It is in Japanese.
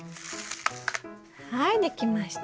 はい出来ました。